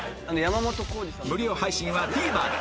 無料配信は ＴＶｅｒ で